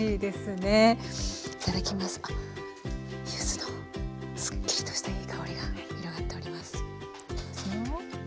柚子のすっきりとしたいい香りが広がっております。